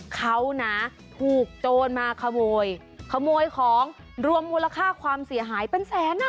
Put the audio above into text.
เขานะถูกโจรมาขโมยขโมยของรวมมูลค่าความเสียหายเป็นแสนอ่ะ